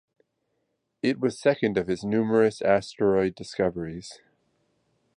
It was second of his numerous asteroid discoveries.